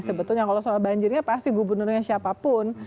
sebetulnya kalau soal banjirnya pasti gubernurnya siapapun